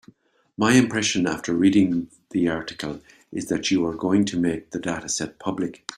My impression after reading the article is that you are going to make the dataset public.